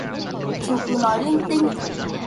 chú cứ nói linh tinh